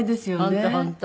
本当本当。